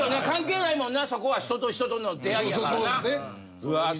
関係ないもんなそこは人と人との出会いやから。